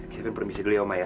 kevin permisi dulu ya uma ya